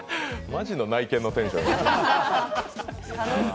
マジの内見のテンション。